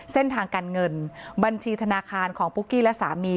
เส้นทางการเงินบัญชีธนาคารของปุ๊กกี้และสามี